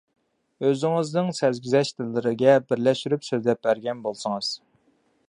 ئۆزىڭىزنىڭ سەرگۈزەشتلىرىگە بىرلەشتۈرۈپ سۆزلەپ بەرگەن بولسىڭىز.